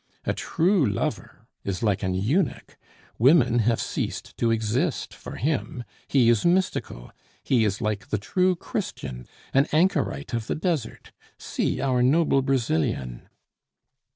A true lover is like an eunuch; women have ceased to exist for him. He is mystical; he is like the true Christian, an anchorite of the desert! See our noble Brazilian."